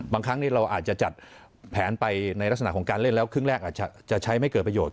ครั้งนี้เราอาจจะจัดแผนไปในลักษณะของการเล่นแล้วครึ่งแรกอาจจะใช้ไม่เกิดประโยชน